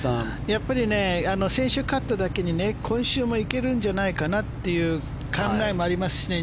やっぱり先週勝っただけに今週もいけるんじゃないかという考えもありますしね